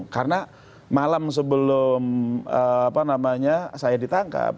karena malam sebelum saya ditangkap